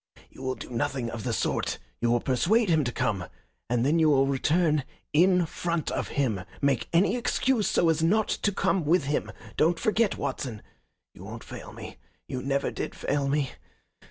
"You will do nothing of the sort. You will persuade him to come. And then you will return in front of him. Make any excuse so as not to come with him. Don't forget, Watson. You won't fail me. You never did fail me.